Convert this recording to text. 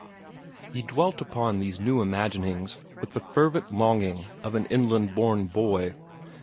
He dwelt upon these new imaginings with the fervent longing of an inland born boy.